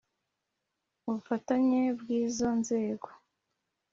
ubufatanye bw izo nzego